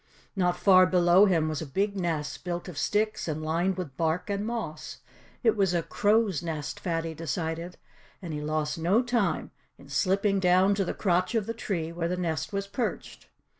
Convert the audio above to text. Not far below him was a big nest, built of sticks and lined with bark and moss. It was a crow's nest, Fatty decided, and he lost no time in slipping down to the crotch of the tree where the nest was perched.